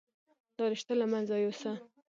دا رشته له منځه يوسه.